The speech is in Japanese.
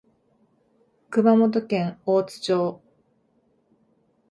熊本県大津町